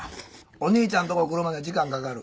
お兄ちゃんとこくるまで時間かかる。